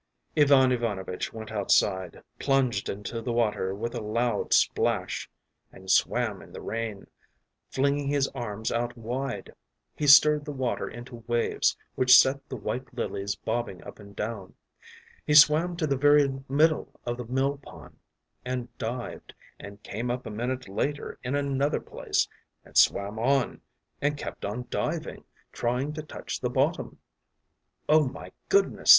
Ivan Ivanovitch went outside, plunged into the water with a loud splash, and swam in the rain, flinging his arms out wide. He stirred the water into waves which set the white lilies bobbing up and down; he swam to the very middle of the millpond and dived, and came up a minute later in another place, and swam on, and kept on diving, trying to touch the bottom. “Oh, my goodness!